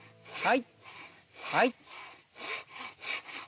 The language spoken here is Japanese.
はい！